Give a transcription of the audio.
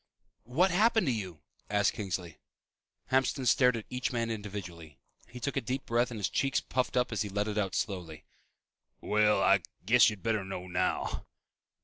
"What happened to you?" asked Kingsley. Hamston stared at each man individually. He took a deep breath and his cheeks puffed up as he let it out slowly. "Well, I guess you'd better know now."